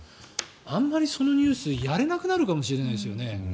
あまりそのニュースやれなくなるかもしれないですよね。